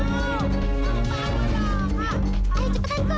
kamu hebat kum